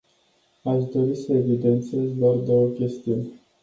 Aș dori să evidențiez doar două chestiuni.